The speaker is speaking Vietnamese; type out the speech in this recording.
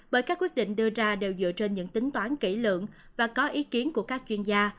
bởi các quyết định đưa ra đều dựa trên những tính toán kỹ lưỡng và có ý kiến của các chuyên gia